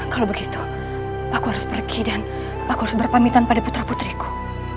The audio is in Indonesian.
kalau begitu aku harus pergi dan aku harus berpamitan pada putra putriku